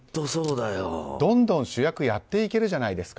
どんどん主役やっていけるじゃないですか。